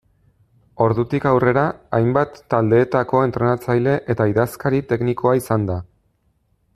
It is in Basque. Ordutik aurrera hainbat taldeetako entrenatzaile eta idazkari teknikoa izan da.